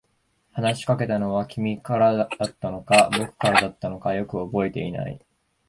話しかけたのは君からだったのか、僕からだったのか、よく覚えていない。